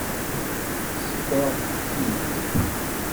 Sekreɣ-k-id.